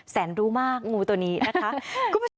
แสนรู้มากงูตัวนี้นะคะ